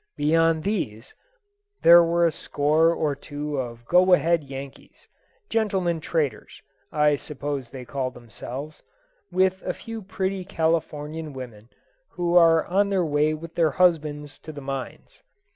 Beyond these, there were a score or two of go ahead Yankees "gentlemen traders," I suppose they called themselves with a few pretty Californian women, who are on their way with their husbands to the mines.